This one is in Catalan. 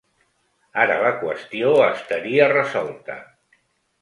Ara la qüestió estaria resolta.